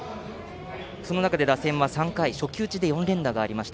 その中で打線は３回初球打ちで４連打がありました。